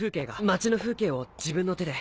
街の風景を自分の手で。